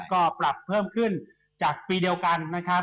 ก็ปรับเพิ่มขึ้นจากปีเดียวกันนะครับ